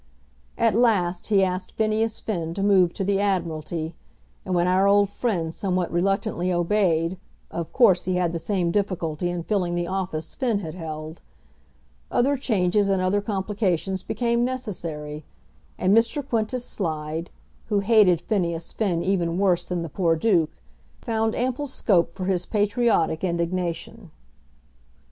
At last he asked Phineas Finn to move to the Admiralty, and, when our old friend somewhat reluctantly obeyed, of course he had the same difficulty in filling the office Finn had held. Other changes and other complications became necessary, and Mr. Quintus Slide, who hated Phineas Finn even worse than the poor Duke, found ample scope for his patriotic indignation.